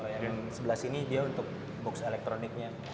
yang sebelah sini dia untuk box elektroniknya